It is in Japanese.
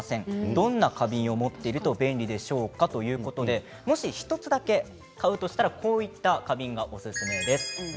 どんな花瓶を持っていると便利でしょうか？ということでもし１つだけ買うとしたらこういった花瓶がおすすめです。